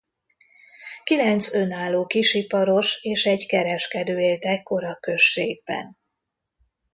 Kilenc önálló kisiparos és egy kereskedő élt ekkor a községben.